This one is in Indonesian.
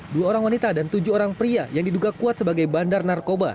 dua orang wanita dan tujuh orang pria yang diduga kuat sebagai bandar narkoba